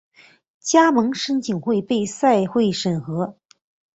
加盟申请会被赛会审核。